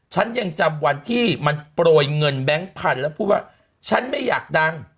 ฉันยังจำวันที่มันโปรยเงินแบงค์พันธุ์แล้วพูดว่าฉันไม่อยากดัง